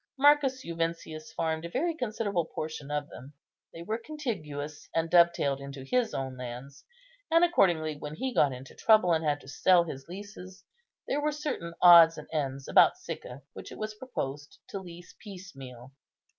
Marcus Juventius farmed a very considerable portion of them; they were contiguous, and dovetailed into his own lands, and accordingly, when he got into trouble, and had to sell his leases, there were certain odds and ends about Sicca which it was proposed to lease piecemeal.